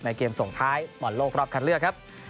ในเกมส่งท้ายหมอนโลกรอบขัดเลือกครับ